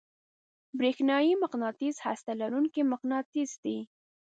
برېښنايي مقناطیس هسته لرونکی مقناطیس دی.